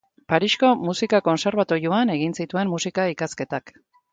Parisko Musika Kontserbatorioan egin zituen musika-ikasketak.